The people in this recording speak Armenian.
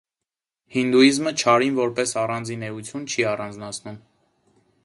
Հինդուիզմը չարին որպես առանձին էություն չի առանձնացնում։